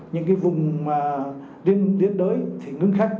những cái vùng riêng đến đới thì ngưng khác